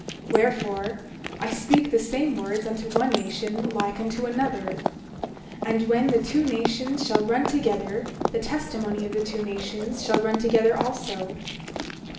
Wherefore, I speak the same words unto one nation like unto another. And when the two nations shall run together the testimony of the two nations shall run together also.